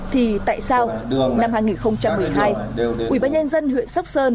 thì tại sao năm hai nghìn một mươi hai ủy ban nhân dân huyện sóc sơn